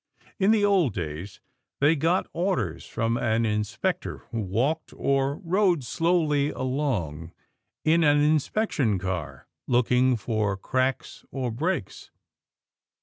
In the old days, they got orders from an inspector who walked or rode slowly along in an inspection car, looking for cracks or breaks.